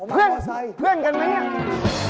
เพื่อนเพื่อนกันไหมน่ะผมมาทัวร์ไซค์